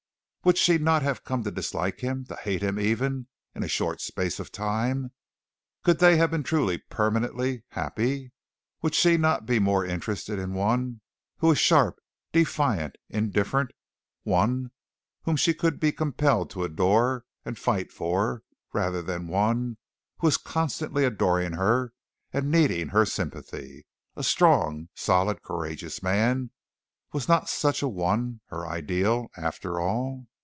Would she not have come to dislike him to hate him even in a short space of time? Could they have been truly, permanently happy? Would she not be more interested in one who was sharp, defiant, indifferent one whom she could be compelled to adore and fight for rather than one who was constantly adoring her and needing her sympathy? A strong, solid, courageous man was not such a one her ideal, after all?